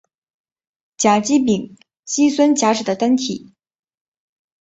甲基丙烯酸甲酯的单体。